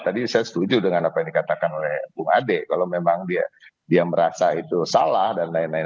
tadi saya setuju dengan apa yang dikatakan oleh bung ade kalau memang dia merasa itu salah dan lain lain